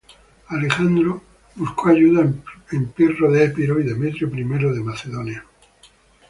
Alejandro buscó ayuda en Pirro de Epiro y Demetrio I de Macedonia.